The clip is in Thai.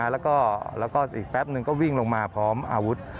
แล้วก็อีกแป๊บนึงก็วิ่งลงมาพร้อมอาวุธ